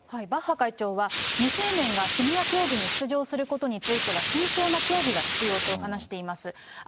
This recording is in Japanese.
バッハ会長は、未成年がシニア競技に出場することについては、慎重な協議が必要と話しています。